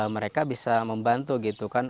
mereka bisa membantu gitu kan